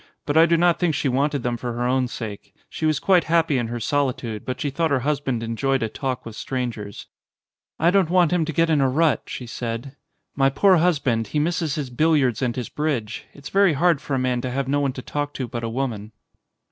But I do not think she wanted them for her own sake. She was quite happy in her solitude, but she thought her hus band enjoyed a talk with strangers. "I don't want him to get in a rut," she said. "My poor husband, he misses his billiards and his ON A CHINESE SCEEEN bridge. It's very hard for a man to have no one to talk to but a woman."